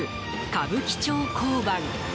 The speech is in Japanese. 歌舞伎町交番。